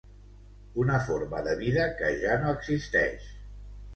Una forma de vida que ja no existeix.